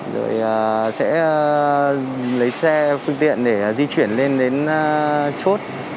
rồi sẽ lấy xe phương tiện để di chuyển lên đến chốt